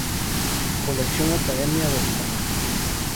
Colección Academia de España.